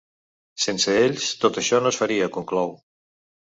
Sense ells, tot això no es faria, conclou.